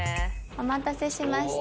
お待たせしました。